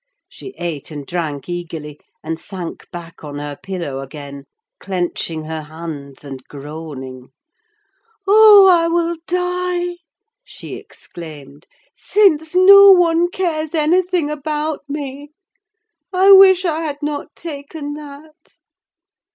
She ate and drank eagerly, and sank back on her pillow again, clenching her hands and groaning. "Oh, I will die," she exclaimed, "since no one cares anything about me. I wish I had not taken that."